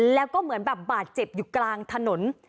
แล้วก็เหมือนแบบบาดเจ็บอยู่กลางถนน